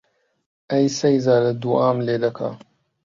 ئەی سەیزادە دووعام لێ دەکا